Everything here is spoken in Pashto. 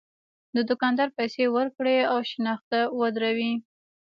د دوکاندار پیسې ورکړي او شنخته ودروي.